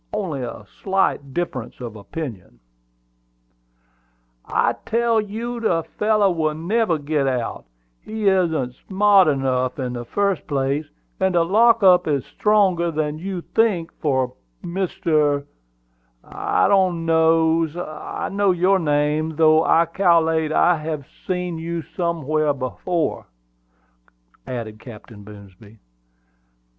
Only a slight difference of opinion." "I tell you the fellow will never get out; he isn't smart enough in the first place, and the lock up is stronger than you think for, Mr. I don't know's I know your name, though I cal'late I have seen you somewhere afore," added Captain Boomsby.